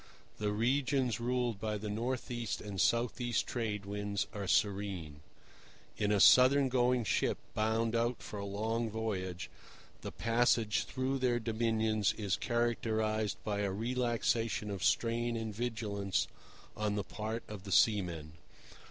The regions ruled by the north east and south east Trade Winds are serene. In a southern going ship, bound out for a long voyage, the passage through their dominions is characterized by a relaxation of strain and vigilance on the part of the seamen.